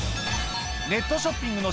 ネットショッピングの